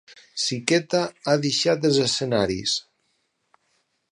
Siketa ha deixat els escenaris.